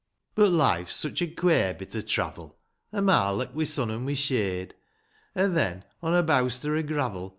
III. But life's sich a quare^ bit o' travel, — A marlock'' \vi' sun an' wi' shade, — An' then, on a bowster^ o' gravel.